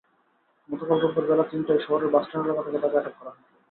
গতকাল রোববার বেলা তিনটায় শহরের বাসস্ট্যান্ড এলাকা থেকে তাঁকে আটক করা হয়।